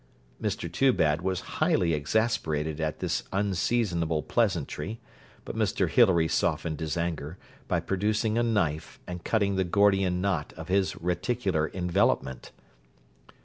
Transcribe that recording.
Mr Toobad was highly exasperated at this unseasonable pleasantry; but Mr Hilary softened his anger, by producing a knife, and cutting the Gordian knot of his reticular envelopment.